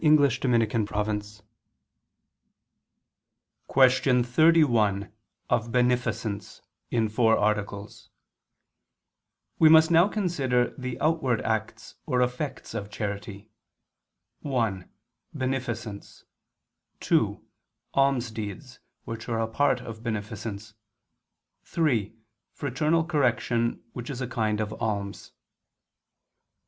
_______________________ QUESTION 31 OF BENEFICENCE (In Four Articles) We must now consider the outward acts or effects of charity, (1) Beneficence, (2) Almsdeeds, which are a part of beneficence, (3) Fraternal correction, which is a kind of alms.